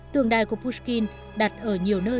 tường đài của pushkin đặt ở nhiều nơi